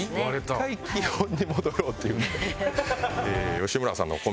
一回基本に戻ろうという。